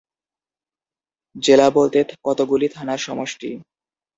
জেলা বলতে কতগুলি থানার সমষ্টি।